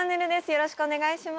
よろしくお願いします。